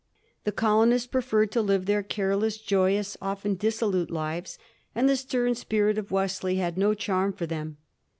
The colonists pre ferred to live their careless, joyous, often dissolute lives, and the stern spirit of Wesley had no charm for them.